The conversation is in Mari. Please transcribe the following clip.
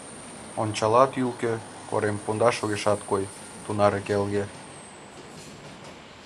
Ончалат ӱлкӧ — корем пундаш огешат кой, тунар келге.